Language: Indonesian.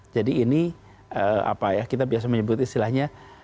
jadi ini apa ya kita biasa menyebut istilahnya